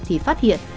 thì phát hiện